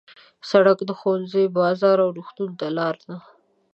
سړک د ښوونځي، بازار او روغتون ته لاره ده.